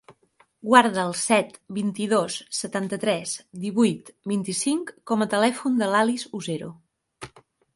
Guarda el set, vint-i-dos, setanta-tres, divuit, vint-i-cinc com a telèfon de l'Alice Usero.